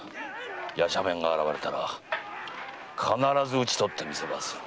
夜叉面が現れたら必ず討ち取ってみせまする。